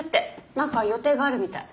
何か予定があるみたい。